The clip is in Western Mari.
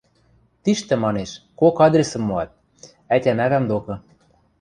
– Тиштӹ, – манеш, – кок адресӹм моат: ӓтям-ӓвӓм докы...